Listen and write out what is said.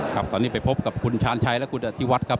ครับตอนนี้ไปพบกับคุณชาญชัยและคุณอธิวัฒน์ครับ